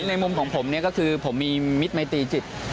ในมุมของผมเนี่ยก็คือผมมีมิตรมัยตีจิต